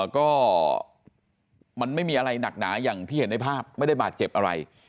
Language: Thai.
ก็มันไม่มีอะไรหนักหนาอย่างที่เห็นในภาพไม่ได้บาดเจ็บอะไร